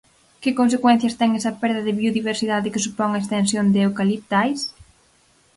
Que consecuencias ten esa perda de biodiversidade que supón a extensión de eucaliptais?